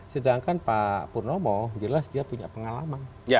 sedangkan pak purnomo jelas dia punya pengalaman